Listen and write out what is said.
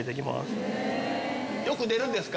よく出るんですか？